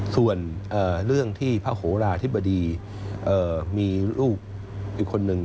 ส่วนเรื่องที่พระโหราธิบดีมีลูกอีกคนนึง